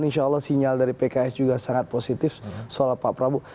insya allah sinyal dari pks juga sangat positif soal pak prabowo